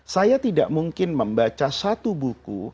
saya tidak mungkin membaca satu buku